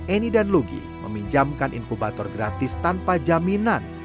eni dan lugi meminjamkan inkubator gratis tanpa jaminan